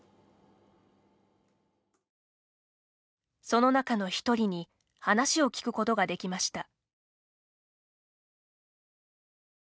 その中の１人に話を聞くことができました。